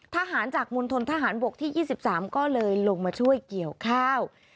ทหารจากมณฑนทหารบกที่๒๓ก็เลยลงมาช่วยเกี่ยวข้าว